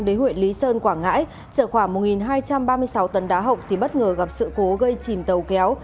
đến huyện lý sơn quảng ngãi trở khỏi một hai trăm ba mươi sáu tầng đá hộp thì bất ngờ gặp sự cố gây chìm tàu kéo